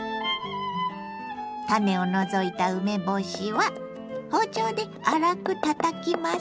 種を除いた梅干しは包丁で粗くたたきます。